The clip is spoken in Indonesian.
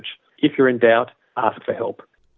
jika anda terdengar minta bantuan